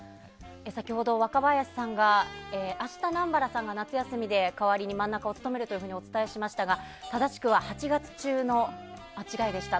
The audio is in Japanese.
先ほど、若林さんが明日、南原さんが夏休みで代わりに真ん中を務めるとお伝えしましたが正しくは８月中の間違いでした。